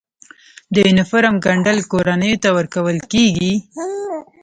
د یونیفورم ګنډل کورنیو ته ورکول کیږي؟